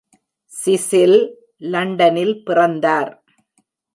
Cecil லண்டனில் பிறந்தார்.